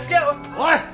おい！